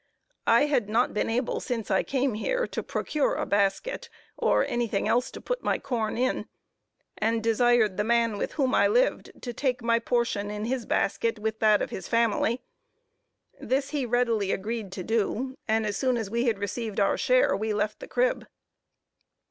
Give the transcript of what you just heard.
I had not been able, since I came here, to procure a basket, or any thing else to put my corn in, and desired the man with whom I lived to take my portion in his basket, with that of his family. This he readily agreed to do, and as soon as we had received our share we left the crib.